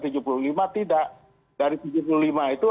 tidak dari tujuh puluh lima itu